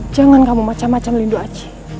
jangan kamu macam macam lindungi aji